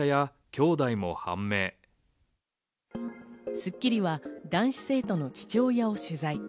『スッキリ』は男子生徒の父親を取材。